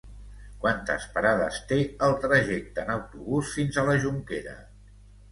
Quantes parades té el trajecte en autobús fins a la Jonquera?